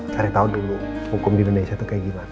cari tahu dulu hukum di indonesia itu kayak gimana